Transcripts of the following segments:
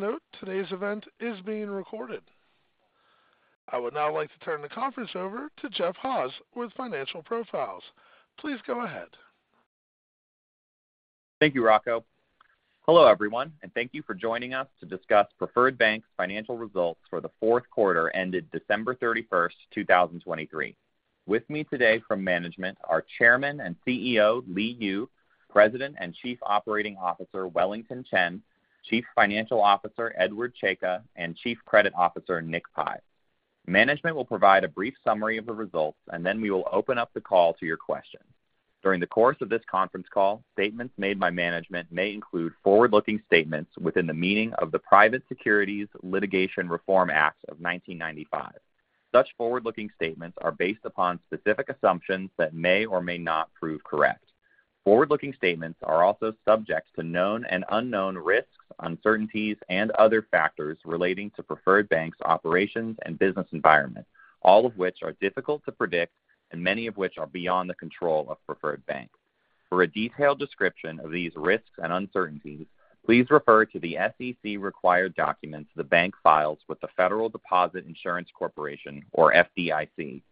Please note today's event is being recorded. I would now like to turn the conference over to Jeff Hawes with Financial Profiles. Please go ahead. Thank you, Rocco. Hello, everyone, and thank you for joining us to discuss Preferred Bank's financial results for the fourth quarter, ended December 31, 2023. With me today from management are Chairman and CEO, Li Yu, President and Chief Operating Officer, Wellington Chen, Chief Financial Officer, Edward J. Czajka, and Chief Credit Officer, Nick Pi. Management will provide a brief summary of the results, and then we will open up the call to your questions. During the course of this conference call, statements made by management may include forward-looking statements within the meaning of the Private Securities Litigation Reform Act of 1995. Such forward-looking statements are based upon specific assumptions that may or may not prove correct. Forward-looking statements are also subject to known and unknown risks, uncertainties, and other factors relating to Preferred Bank's operations and business environment, all of which are difficult to predict and many of which are beyond the control of Preferred Bank. For a detailed description of these risks and uncertainties, please refer to the SEC required documents the bank files with the Federal Deposit Insurance Corporation, or FDIC.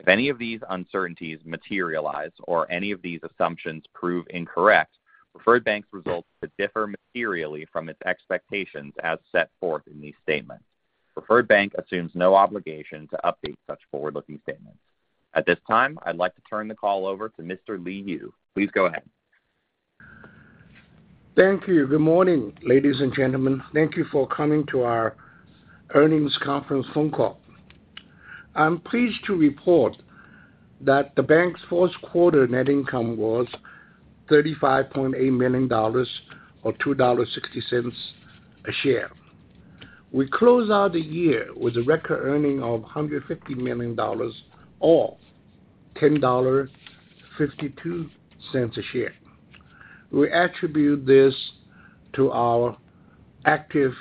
If any of these uncertainties materialize or any of these assumptions prove incorrect, Preferred Bank's results could differ materially from its expectations as set forth in these statements. Preferred Bank assumes no obligation to update such forward-looking statements. At this time, I'd like to turn the call over to Mr. Li Yu. Please go ahead. Thank you. Good morning, ladies and gentlemen. Thank you for coming to our earnings conference phone call. I'm pleased to report that the bank's fourth quarter net income was $35.8 million, or $2.60 a share. We close out the year with a record earnings of $150 million, or $10.52 a share. We attribute this to our active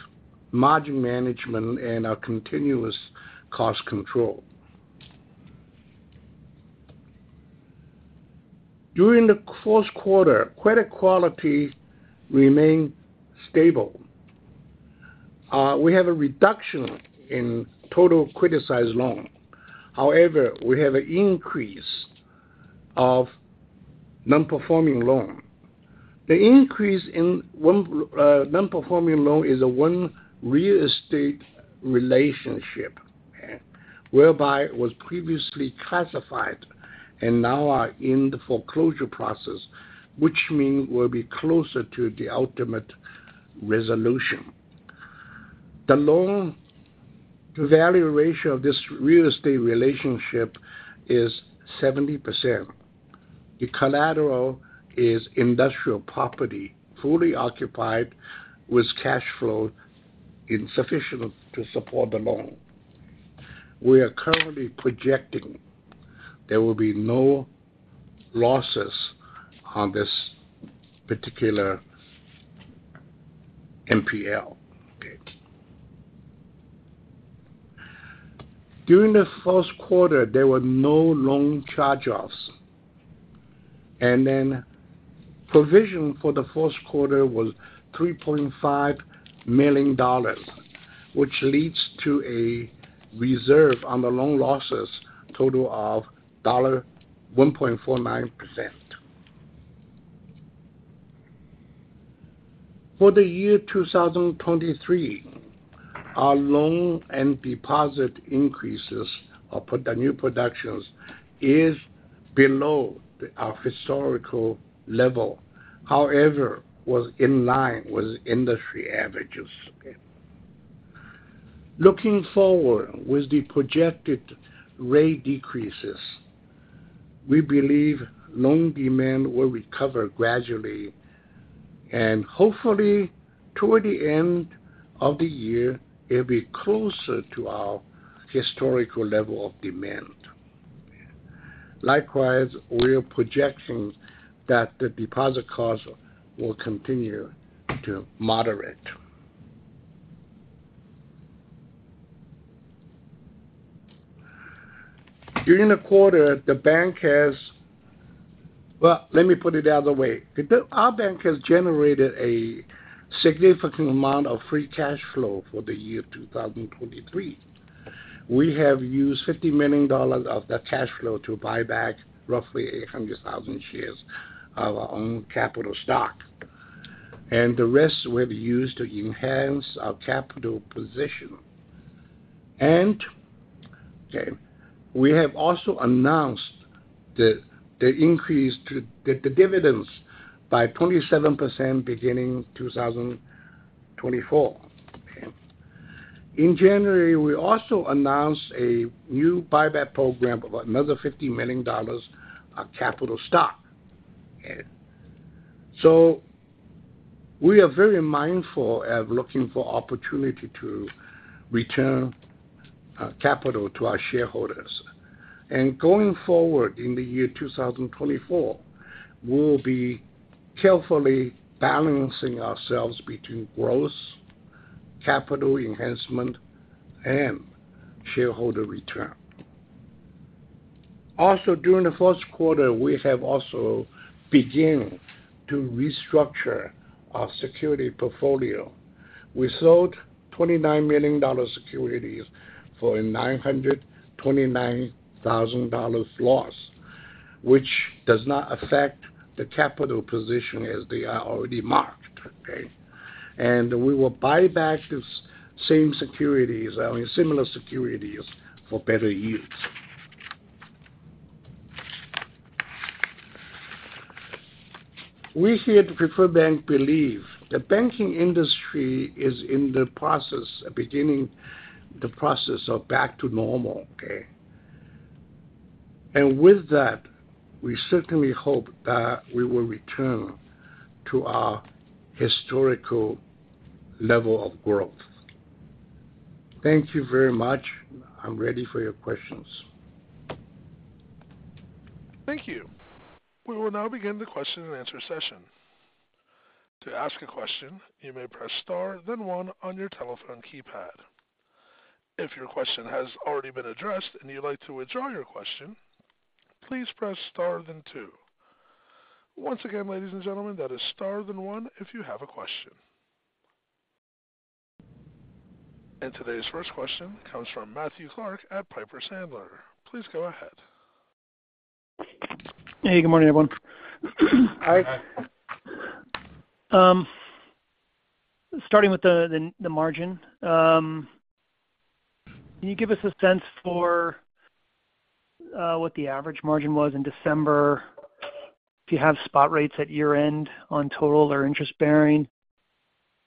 margin management and our continuous cost control. During the fourth quarter, credit quality remained stable. We have a reduction in total criticized loan. However, we have an increase of non-performing loan. The increase in one non-performing loan is a one real estate relationship, whereby was previously classified and now are in the foreclosure process, which means we'll be closer to the ultimate resolution. The loan to value ratio of this real estate relationship is 70%. The collateral is industrial property, fully occupied, with cash flow insufficient to support the loan. We are currently projecting there will be no losses on this particular NPL. Okay. During the first quarter, there were no loan charge-offs, and then provision for the fourth quarter was $3.5 million, which leads to a reserve on the loan losses total of 1.49%. For the year 2023, our loan and deposit increases of the new productions is below our historical level, however, was in line with industry averages. Looking forward, with the projected rate decreases, we believe loan demand will recover gradually and hopefully toward the end of the year, it'll be closer to our historical level of demand. Likewise, we are projections that the deposit costs will continue to moderate. During the quarter, the bank has... Well, let me put it the other way. Our bank has generated a significant amount of free cash flow for the year 2023. We have used $50 million of that cash flow to buy back roughly 800,000 shares of our own capital stock, and the rest will be used to enhance our capital position. We have also announced the increase to the dividends by 27% beginning 2024. In January, we also announced a new buyback program of another $50 million of capital stock. So we are very mindful of looking for opportunity to return capital to our shareholders. And going forward in the year 2024, we'll be carefully balancing ourselves between growth, capital enhancement, and shareholder return.... Also, during the first quarter, we have also begun to restructure our security portfolio. We sold $29 million securities for a $929,000 loss, which does not affect the capital position as they are already marked, okay? And we will buy back these same securities, I mean, similar securities for better use. We here at Preferred Bank believe the banking industry is in the process, beginning the process of back to normal, okay? And with that, we certainly hope that we will return to our historical level of growth. Thank you very much. I'm ready for your questions. Thank you. We will now begin the question and answer session. To ask a question, you may press Star, then one on your telephone keypad. If your question has already been addressed and you'd like to withdraw your question, please press Star, then two. Once again, ladies and gentlemen, that is Star, then one if you have a question. And today's first question comes from Matthew Clark at Piper Sandler. Please go ahead. Hey, good morning, everyone. Hi. Starting with the margin. Can you give us a sense for what the average margin was in December, if you have spot rates at year-end on total or interest bearing?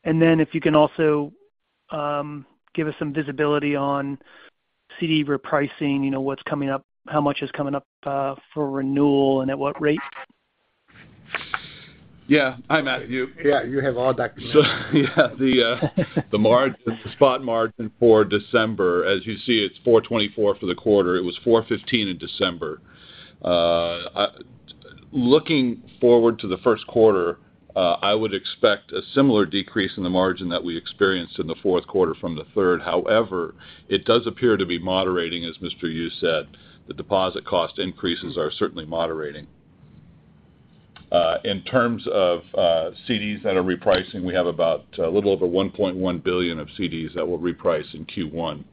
And then if you can also give us some visibility on CD repricing, you know, what's coming up, how much is coming up, for renewal and at what rate? Yeah. Hi, Matthew. Yeah, you have all that. So yeah, the spot margin for December, as you see, it's 4.24 for the quarter. It was 4.15 in December. Looking forward to the first quarter, I would expect a similar decrease in the margin that we experienced in the fourth quarter from the third. However, it does appear to be moderating, as Mr. Yu said, the deposit cost increases are certainly moderating. In terms of CDs that are repricing, we have about a little over $1.1 billion of CDs that will reprice in Q1.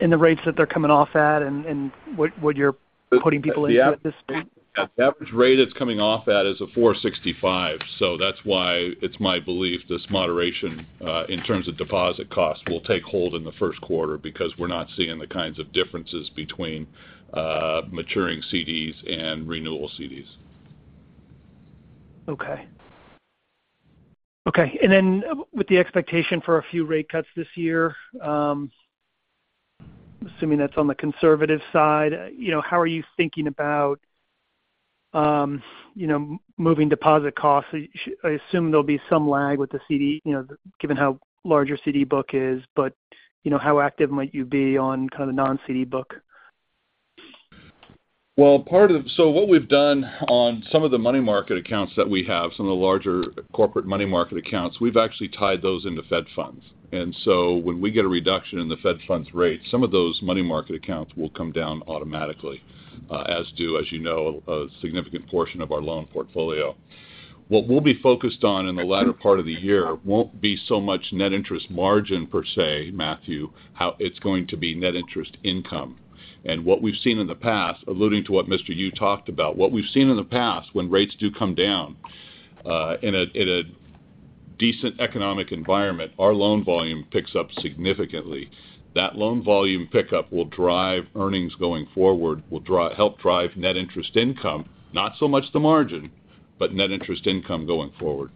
And the rates that they're coming off at, and what, what you're putting people into at this point? The average rate it's coming off at is a 4.65. So that's why it's my belief, this moderation, in terms of deposit costs, will take hold in the first quarter, because we're not seeing the kinds of differences between, maturing CDs and renewable CDs. Okay. Okay, and then with the expectation for a few rate cuts this year, assuming that's on the conservative side, you know, how are you thinking about, you know, moving deposit costs? I assume there'll be some lag with the CD, you know, given how large your CD book is, but, you know, how active might you be on kind of non-CD book? Well, part of... So what we've done on some of the money market accounts that we have, some of the larger corporate money market accounts, we've actually tied those into Fed funds. And so when we get a reduction in the Fed funds rate, some of those money market accounts will come down automatically, as do, as you know, a significant portion of our loan portfolio. What we'll be focused on in the latter part of the year won't be so much net interest margin per se, Matthew, how it's going to be net interest income. And what we've seen in the past, alluding to what Mr. Yu talked about, what we've seen in the past, when rates do come down, in a decent economic environment, our loan volume picks up significantly. That loan volume pickup will drive earnings going forward, will help drive net interest income, not so much the margin, but net interest income going forward.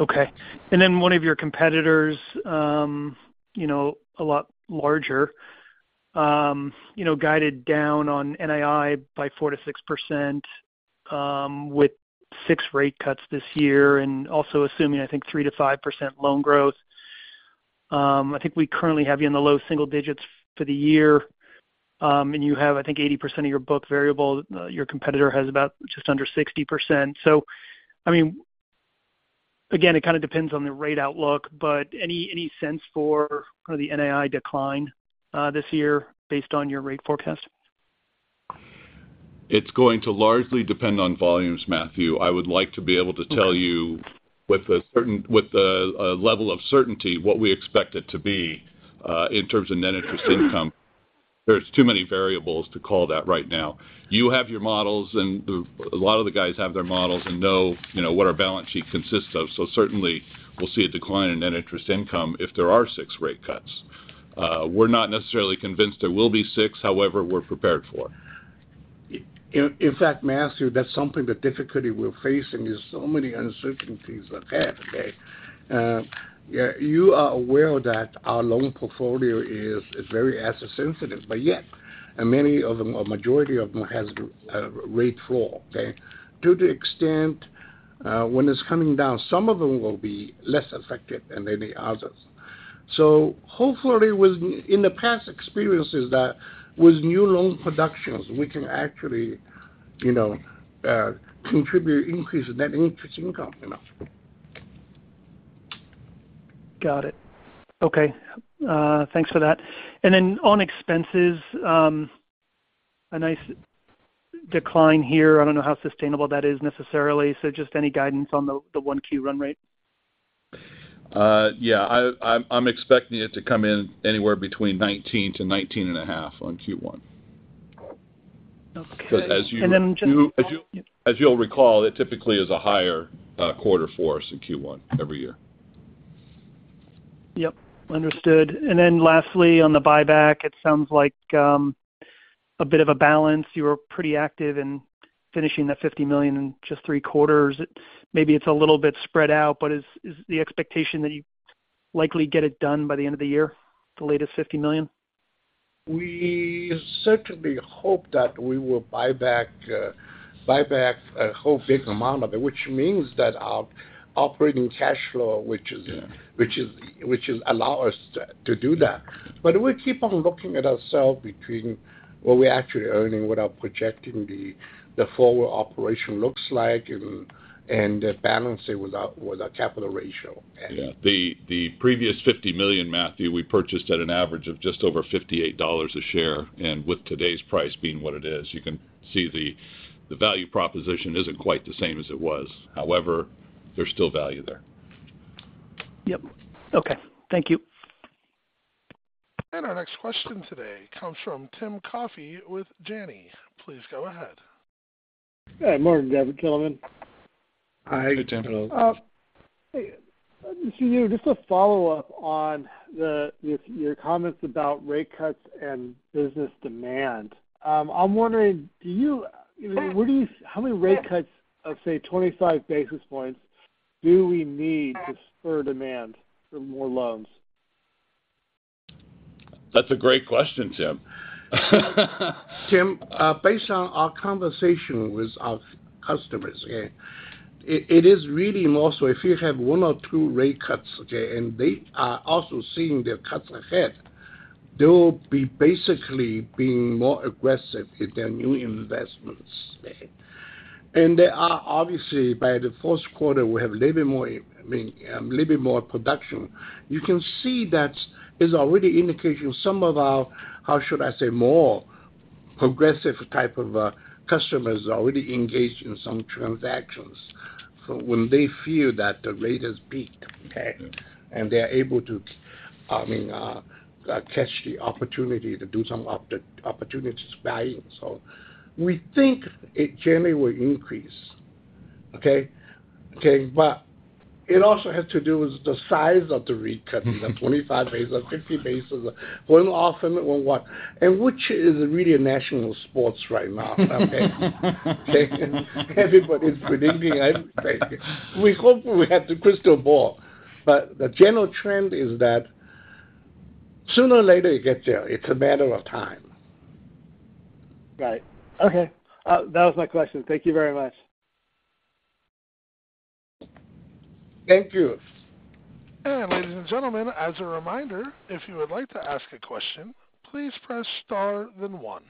Okay. And then one of your competitors, you know, a lot larger, you know, guided down on NII by 4%-6%, with 6 rate cuts this year, and also assuming, I think, 3%-5% loan growth. I think we currently have you in the low single digits for the year, and you have, I think, 80% of your book variable. Your competitor has about just under 60%. So I mean, again, it kind of depends on the rate outlook, but any, any sense for kind of the NII decline, this year based on your rate forecast? It's going to largely depend on volumes, Matthew. I would like to be able- Okay. To tell you with a certain level of certainty, what we expect it to be in terms of net interest income. There's too many variables to call that right now. You have your models, and a lot of the guys have their models and know, you know, what our balance sheet consists of. So certainly, we'll see a decline in net interest income if there are six rate cuts. We're not necessarily convinced there will be six, however, we're prepared for it. In fact, Matthew, that's something, the difficulty we're facing is so many uncertainties ahead, okay? You are aware that our loan portfolio is very asset sensitive, but yet, and many of them, or majority of them, has rate floor, okay? To the extent, when it's coming down, some of them will be less affected than the others. So hopefully, within the past experiences that with new loan productions, we can actually, you know, contribute, increase net interest income.... Got it. Okay, thanks for that. And then on expenses, a nice decline here. I don't know how sustainable that is necessarily, so just any guidance on the 1 Q run rate? Yeah, I'm expecting it to come in anywhere between 19-19.5 on Q1. Okay, and then just- As you'll recall, it typically is a higher quarter for us in Q1 every year. Yep, understood. And then lastly, on the buyback, it sounds like, a bit of a balance. You were pretty active in finishing that $50 million in just three quarters. Maybe it's a little bit spread out, but is the expectation that you likely get it done by the end of the year, the latest $50 million? We certainly hope that we will buy back, buy back a whole big amount of it, which means that our operating cash flow, which is- Yeah... Which is allow us to do that. But we keep on looking at ourselves between what we're actually earning, what our projecting the forward operation looks like and balancing with our capital ratio. Yeah. The previous 50 million, Matthew, we purchased at an average of just over $58 a share, and with today's price being what it is, you can see the value proposition isn't quite the same as it was. However, there's still value there. Yep. Okay, thank you. Our next question today comes from Tim Coffey with Janney. Please go ahead. Hi, morning, gentlemen. Hi. Good morning. Hey, just a follow-up on your comments about rate cuts and business demand. I'm wondering, how many rate cuts of, say, 25 basis points do we need to spur demand for more loans? That's a great question, Tim. Tim, based on our conversation with our customers, okay, it is really more so if you have one or two rate cuts, okay, and they are also seeing the cuts ahead, they'll be basically being more aggressive with their new investments. And they are obviously, by the fourth quarter, we have a little bit more, I mean, a little bit more production. You can see that it's already indicating some of our, how should I say, more progressive type of customers are already engaged in some transactions. So when they feel that the rate is peaked, okay, and they're able to catch the opportunity to do some opportunities buying. So we think it generally will increase, okay? Okay, but it also has to do with the size of the rate cut, the 25 basis, 50 basis, 100 and 100, and which is really a national sport right now. Okay. Everybody's predicting, and we hope we have the crystal ball, but the general trend is that sooner or later, you get there. It's a matter of time. Right. Okay, that was my question. Thank you very much. Thank you. Ladies and gentlemen, as a reminder, if you would like to ask a question, please press star then one.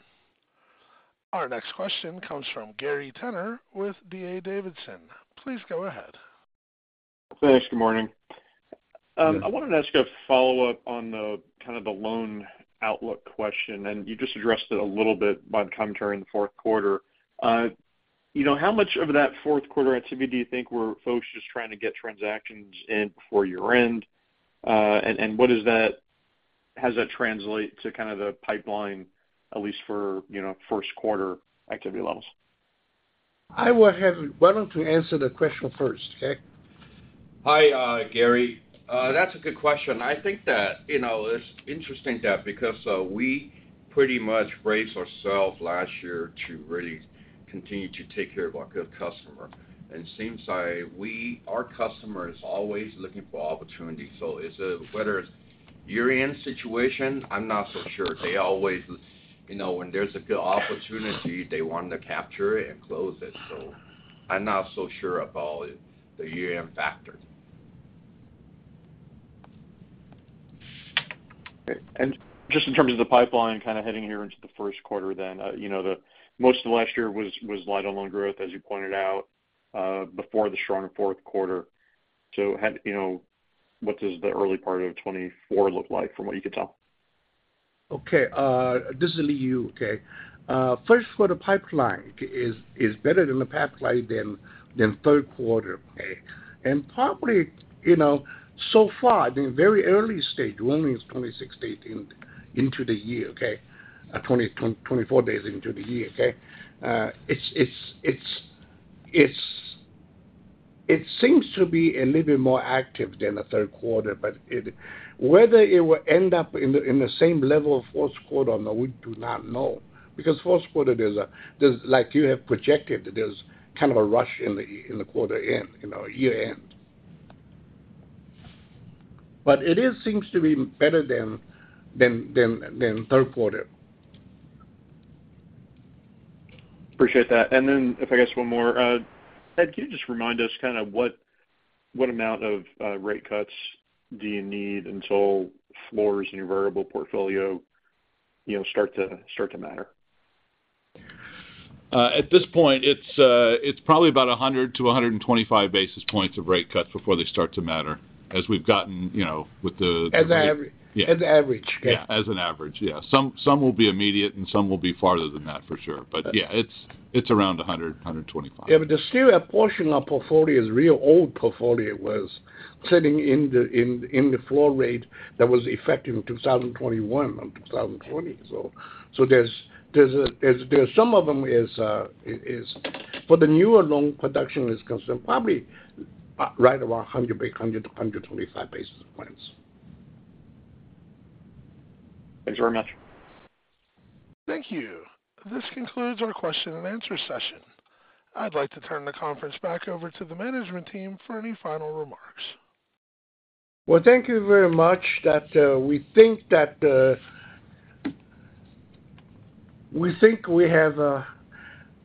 Our next question comes from Gary Tenner with D.A. Davidson. Please go ahead. Thanks. Good morning. I wanted to ask a follow-up on the kind of the loan outlook question, and you just addressed it a little bit by the commentary in the fourth quarter. You know, how much of that fourth quarter activity do you think were folks just trying to get transactions in before year-end? And what does that—how does that translate to kind of the pipeline, at least for, you know, first quarter activity levels? I will have. Why don't you answer the question first, okay? Hi, Gary. That's a good question. I think that, you know, it's interesting that because we pretty much braced ourselves last year to really continue to take care of our good customer, and it seems like we, our customers, are always looking for opportunity. So is it, whether it's year-end situation, I'm not so sure. They always, you know, when there's a good opportunity, they want to capture it and close it. So I'm not so sure about it, the year-end factor. Okay. And just in terms of the pipeline, kind of heading here into the first quarter, then, you know, most of last year was light on loan growth, as you pointed out, before the stronger fourth quarter. So, you know, what does the early part of 2024 look like from what you can tell? Okay, this is Li Yu, okay. First, for the pipeline is, is better than the pipeline than, than third quarter, okay? And probably, you know, so far, the very early stage, only it's 26 days in, into the year, okay? Twenty, 24 days into the year, okay? It's, it's, it's, it seems to be a little bit more active than the third quarter, but it-- whether it will end up in the, in the same level of fourth quarter or not, we do not know. Because fourth quarter, there's a, there's like you have projected, there's kind of a rush in the, in the quarter end, you know, year-end. But it is seems to be better than, than, than, than third quarter. Appreciate that. And then if I guess one more, Ed, can you just remind us kind of what amount of rate cuts do you need until floors in your variable portfolio, you know, start to matter? At this point, it's probably about 100-125 basis points of rate cuts before they start to matter, as we've gotten, you know, with the- As an average. Yeah. As an average. Yeah, as an average, yeah. Some will be immediate, and some will be farther than that, for sure. But yeah, it's around 100-125. Yeah, but there's still a portion of our portfolio, is real old portfolio, was sitting in the floor rate that was effective in 2021 and 2020. So, there's some of them is... But the newer loan production is concerned, probably right around 100 to 125 basis points. Thanks very much. Thank you. This concludes our question and answer session. I'd like to turn the conference back over to the management team for any final remarks. Well, thank you very much. We think we have a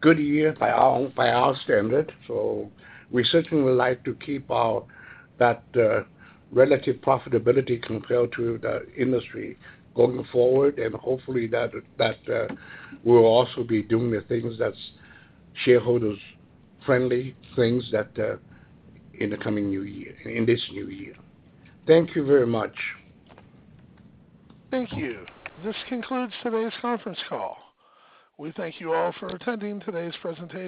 good year by our standard, so we certainly would like to keep our relative profitability compared to the industry going forward, and hopefully that we'll also be doing the things that's shareholders friendly, things that in the coming new year, in this new year. Thank you very much. Thank you. This concludes today's conference call. We thank you all for attending today's presentation.